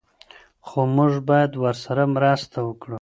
خو موږ باید ورسره مرسته وکړو.